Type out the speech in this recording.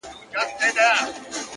o الوتني کوي؛